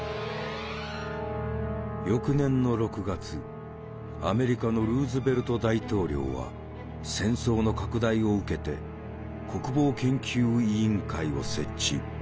翌年の６月アメリカのルーズベルト大統領は戦争の拡大を受けて国防研究委員会を設置。